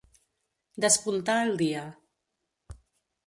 Despuntar el dia.